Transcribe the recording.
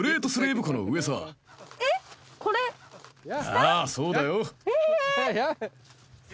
ああそうだよ。え！？